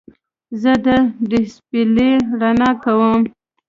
زه د ډیسپلې رڼا کموم.